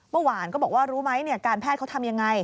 เมื่อวานก็บอกว่ารู้ไหมการแพทย์เขาทำยังไง